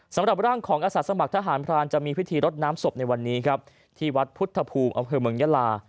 สำหรับร่างของอาสาสมัครทหารพรานจะมีพิธีรดน้ำศพในวันนี้ครับที่วัดพุทธภูมิอำเภอเมืองยาลา